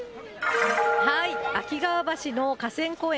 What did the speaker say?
秋川橋の河川公園